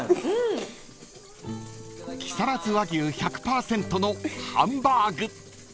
［木更津和牛１００％のハンバーグ］